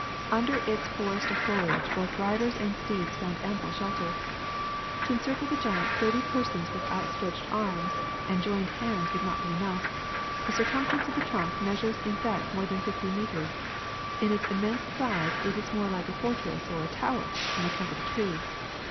Under its forest of foliage both riders and steeds found ample shelter. To encircle the giant thirty persons with outstretched arms and joined hands would not be enough ; the circumference of the trunk measures in fact more than fifty meters. In its immense size it is more like a fortress or tower than the trunk of a tree.